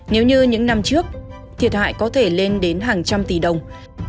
nếu như những năm trước thiệt hại có thể lên đến hàng trăm tỷ đồng